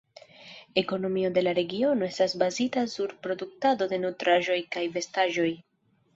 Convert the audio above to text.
Ekonomio de la regiono estas bazita sur produktado de nutraĵoj kaj vestaĵoj.